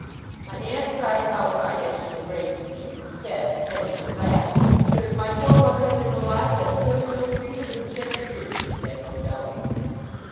My aunt cried outright as she embraced me; and said, pretending to laugh, that if my poor mother had been alive, that silly little creature would have shed tears, she had no doubt.